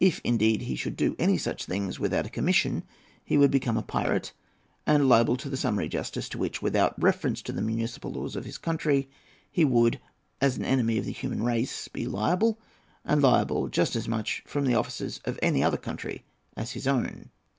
If, indeed, he should do any of such things without a commission he would become a pirate, and liable to the summary justice to which, without reference to the municipal laws of his country, he would, as an enemy of the human race, be liable; and liable just as much from the officers of any other country as of his own."